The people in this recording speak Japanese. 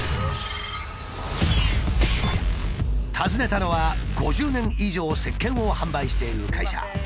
訪ねたのは５０年以上せっけんを販売している会社。